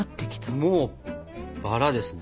もうバラですね。